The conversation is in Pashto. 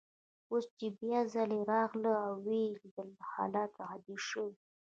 اوس چي بیا ځلې راغله او ویې لیدل، حالات عادي شوي.